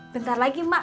bentar lagi mak